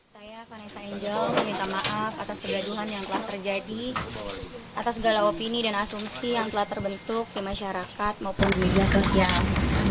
saya vanessa angel meminta maaf atas kegaduhan yang telah terjadi atas segala opini dan asumsi yang telah terbentuk di masyarakat maupun di media sosial